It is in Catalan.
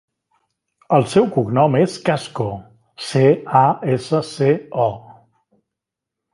El seu cognom és Casco: ce, a, essa, ce, o.